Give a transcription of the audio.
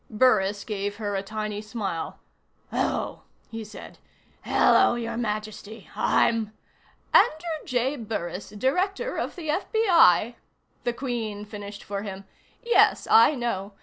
Burris gave her a tiny smile. "Oh," he said. "Hello, Your Majesty. I'm " "Andrew J. Burris, Director of the FBI," the Queen finished for him. "Yes, I know.